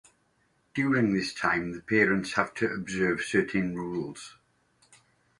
During this time the parents have to observe certain rules.